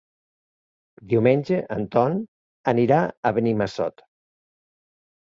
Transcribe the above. Diumenge en Ton anirà a Benimassot.